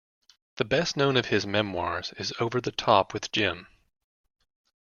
The best known of his memoirs is "Over The Top With Jim".